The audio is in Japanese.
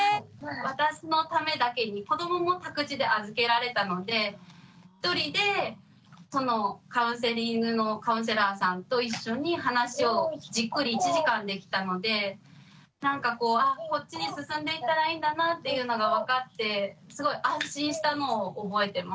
私のためだけに子どもも託児で預けられたので一人でそのカウンセリングのカウンセラーさんと一緒に話をじっくり１時間できたのでなんかこうあこっちに進んでいったらいいんだなっていうのが分かってすごい安心したのを覚えてます。